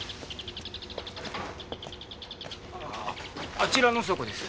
あちらの倉庫です。